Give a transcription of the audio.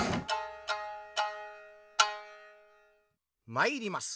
まいります。